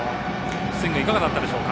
スイングはいかがだったでしょう。